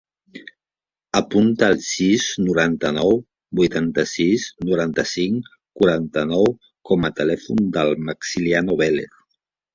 Apunta el sis, noranta-nou, vuitanta-sis, noranta-cinc, quaranta-nou com a telèfon del Maximiliano Velez.